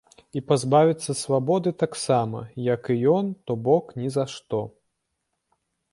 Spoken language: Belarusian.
І пазбавіцца свабоды таксама, як і ён, то бок ні за што.